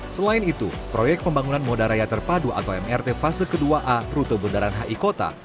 selain itu proyek pembangunan moda raya terpadu atau mrt fase kedua a rute bundaran hi kota